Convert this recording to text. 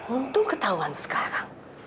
untung ketahuan sekarang